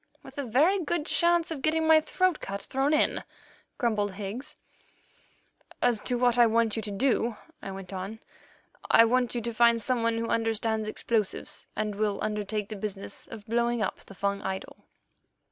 "With a very good chance of getting my throat cut thrown in," grumbled Higgs. "As to what I want you to do," I went on, "I want you to find someone who understands explosives, and will undertake the business of blowing up the Fung idol."